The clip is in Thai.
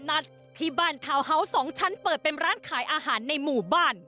นัดที่บ้านทาวน์เฮาส์๒ชั้นเปิดเป็นร้านขายอาหารในหมู่บ้าน